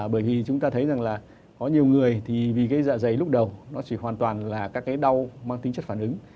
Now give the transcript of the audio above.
bởi vì chúng ta thấy rằng là có nhiều người thì vì cái dạ dày lúc đầu nó chỉ hoàn toàn là các cái đau mang tính chất phản ứng